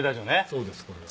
そうですこれが。